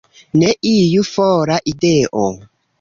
Ne iu fora ideo.